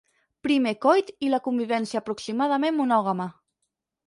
«primer coit i la convivència aproximadament monògama».